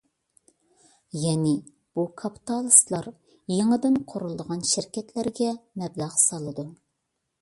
يەنى، بۇ كاپىتالىستلار يېڭىدىن قۇرۇلىدىغان شىركەتلەرگە مەبلەغ سالىدۇ.